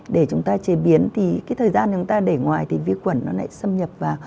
để chúng ta chế biến thì cái thời gian chúng ta để ngoài thì vi khuẩn nó lại xâm nhập vào